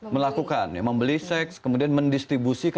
melakukan ya membeli seks kemudian mendistribusi